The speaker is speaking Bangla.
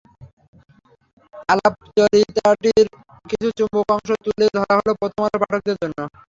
আলাপচারিতাটির কিছু চুম্বক অংশ তুলে ধরা হলো প্রথম আলোর পাঠকদের জন্য।